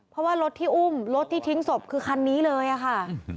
เพราะว่ารถที่อุ้มรถที่ทิ้งศพคือคันนี้เลยค่ะ